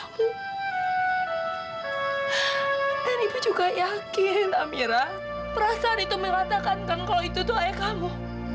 mampu mampu harus merelain dia bu